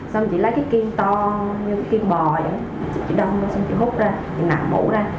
xong chị lấy cái kiên to như kiên bò vậy chị đông ra xong chị hút ra chị nặng mũi ra